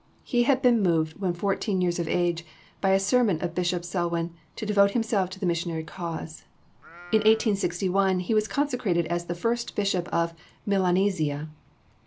He had been moved when fourteen years of age, by a sermon of Bishop Selwyn, to devote himself to the missionary cause. In 1861 he was consecrated as the First Bishop of Milanesia....